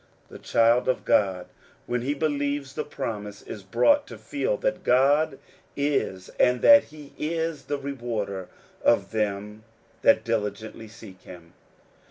The child of God, when he believes the promise, is brought to feel that God is, and that he is the rewarder of them that diligently seek him.